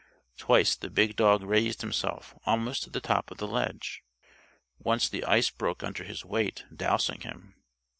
Twice the big dog raised himself almost to the top of the ledge. Once the ice broke under his weight, dousing him.